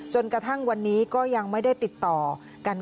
จนกระทั่งวันนี้ก็ยังไม่ได้ติดต่อกัน